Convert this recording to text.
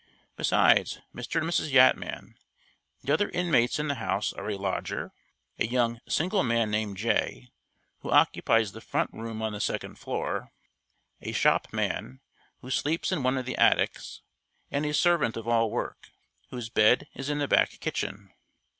Besides Mr. and Mrs. Yatman, the other inmates in the house are a lodger, a young single man named Jay, who occupies the front room on the second floor a shopman, who sleeps in one of the attics, and a servant of all work, whose bed is in the back kitchen.